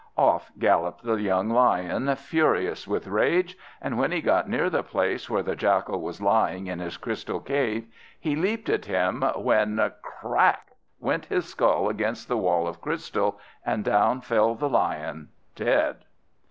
Off galloped the young Lion, furious with rage, and when he got near the place where the Jackal was lying in his Crystal Cave, he leaped at him, when crack! went his skull against the wall of crystal, and down fell the Lion dead!